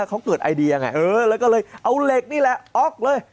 เขาเกิดไอเดียยังไงเออแล้วก็เลยเอาเหล็กนี่แหละออกเลย